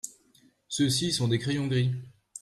Ceux-ci sont des crayons gris.